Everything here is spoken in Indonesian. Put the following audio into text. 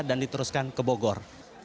dan diteruskan ke bogor